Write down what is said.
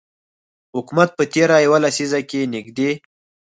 حکومت په تیره یوه لسیزه کې نږدې